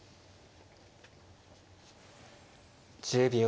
１０秒。